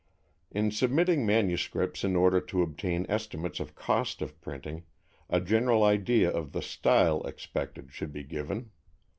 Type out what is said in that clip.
In submitting manuscripts in order to obtain estimates of cost of printing, a general idea of the style expected should be given.